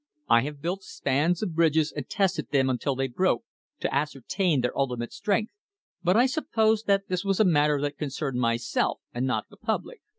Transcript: I have built spans of bridges and tested them until they broke, to ascertain their ultimate strength, but I supposed that this was a matter that concerned myself and not the public.